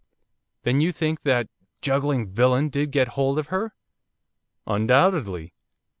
'Then you think that juggling villain did get hold of her?' 'Undoubtedly.